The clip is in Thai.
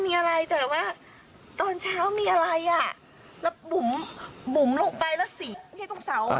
นี่ตรงเศร้า